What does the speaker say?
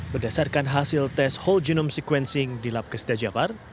berdasarkan hasil tes whole genome sequencing di labkes dajabar